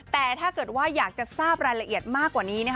แต่ถ้าเกิดว่าอยากจะทราบรายละเอียดมากกว่านี้